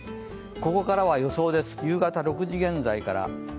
ここからは予想です、夕方６時現在から。